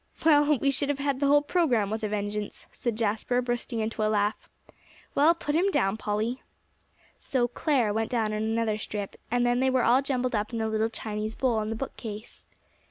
"] "Well, we should have had the whole program with a vengeance," said Jasper, bursting into a laugh. "Well, put him down, Polly." So "Clare" went down on another strip, and then they were all jumbled up in a little Chinese bowl on the bookcase.